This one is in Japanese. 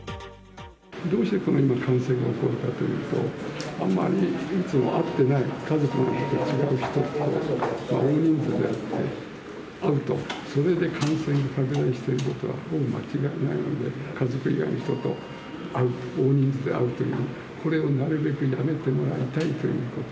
どうしてこのような感染が起こるかというと、あんまりいつも会ってない、家族とは違う人と大人数で会うと、それで感染拡大していることは、ほぼ間違いないので、家族以外の人と会う、大人数で会うということ、これをなるべくやめてもらいたいということ。